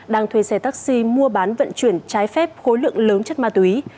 đang thuê xe taxi mua bán vận chuyển trái phép khối lượng lớn chất ma túy